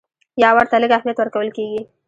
یا ورته لږ اهمیت ورکول کېږي.